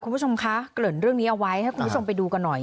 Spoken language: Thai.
คุณผู้ชมคะเกริ่นเรื่องนี้เอาไว้ให้คุณผู้ชมไปดูกันหน่อย